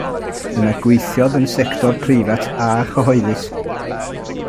Yna gweithiodd yn y sector preifat a chyhoeddus.